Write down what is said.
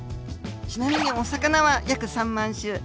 ちなみにお魚は約３万種。